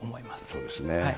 そうですね。